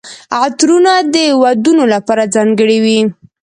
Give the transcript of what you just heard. عطرونه د ودونو لپاره ځانګړي وي.